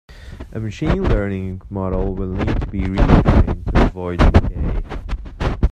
A machine learning model will need to be retrained to avoid decay.